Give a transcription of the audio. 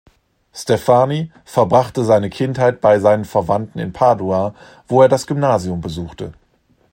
Steffani verbrachte seine Kindheit bei seinen Verwandten in Padua, wo er das Gymnasium besuchte.